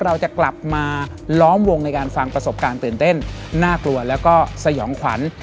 เราจะกลับมาล้อมวงในการฟังประสบการณ์ตื่นเต้นน่ากลัวแล้วก็สยองขวัญ